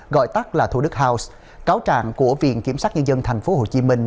gọi tắt là thủ đức house cáo trạng của viện kiểm sát nhân dân thành phố hồ chí minh